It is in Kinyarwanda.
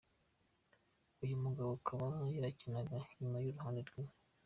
Uyu mugabo akaba yarakinaga inyuma ku ruhande rwi.